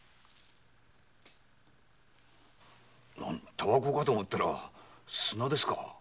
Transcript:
煙草かと思ったら砂ですか？